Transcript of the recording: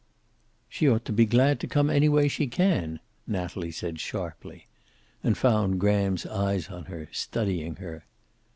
"She ought to be glad to come any way she can," Natalie said sharply. And found Graham's eyes on her, studying her.